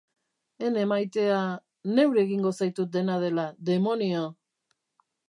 Ene maitea... neure egingo zaitut dena dela, demonio!